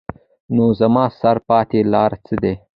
نو زما سره پاتې لار څۀ ده ؟